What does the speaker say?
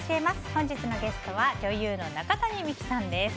本日のゲストは女優の中谷美紀さんです。